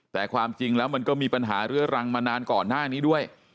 แต่ความจริงแล้วมันก็มีปัญหาเรื้อรังมานานก่อนหน้านี้ด้วย